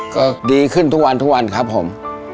ก็ดีขึ้นทุกวันครับผม